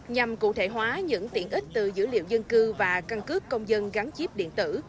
nhằm cụ thể hóa những tiện ích từ dữ liệu dân cư và căn cước công dân gắn chip điện tử